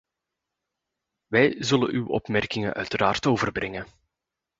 Wij zullen uw opmerkingen uiteraard overbrengen.